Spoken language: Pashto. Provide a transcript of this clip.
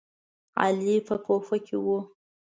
علي په کوفه کې و.